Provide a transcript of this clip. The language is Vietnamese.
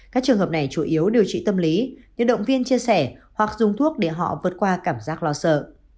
các trường hợp này chủ yếu điều trị tâm lý như động viên chia sẻ hoặc dùng thuốc để họ vượt qua cảm giác lo sợ